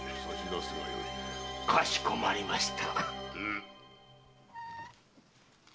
かしこまりました。